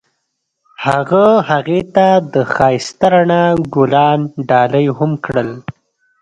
هغه هغې ته د ښایسته رڼا ګلان ډالۍ هم کړل.